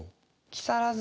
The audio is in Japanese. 木更津。